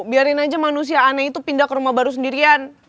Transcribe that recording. biarin aja manusia aneh itu pindah ke rumah baru sendirian